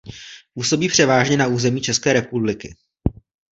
Působí převážně na území České republiky.